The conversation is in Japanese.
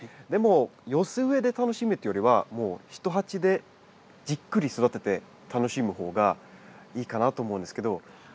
でも寄せ植えで楽しむというよりはもうひと鉢でじっくり育てて楽しむ方がいいかなと思うんですけど。